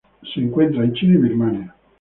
Se encuentra en China y Birmania.